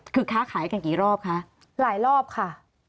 คือค้าขายกันกี่รอบคะหลายรอบค่ะ